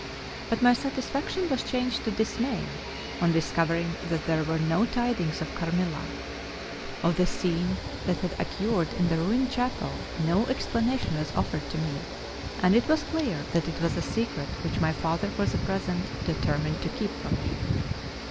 But my satisfaction was changed to dismay, on discovering that there were no tidings of Carmilla. Of the scene that had occurred in the ruined chapel, no explanation was offered to me, and it was clear that it was a secret which my father for the present determined to keep from me.